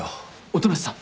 音無さん